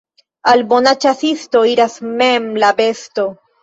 Al bona ĉasisto iras mem la besto.